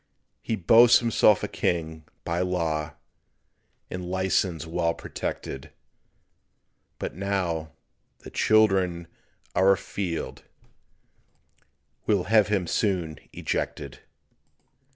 He boasts himself a King by law And license well protected; But now "the children are a field" We'll have him soon ejected.